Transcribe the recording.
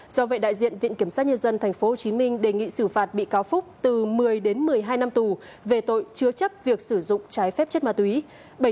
do vậy đại diện viện kiểm sát nhân dân tp hcm đề nghị xử phạt bị cáo phúc từ một mươi đến một mươi hai năm tù về tội chứa chấp việc sử dụng trái phép chất ma túy